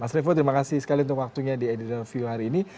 mas revo terima kasih sekali untuk waktunya di editorial view hari ini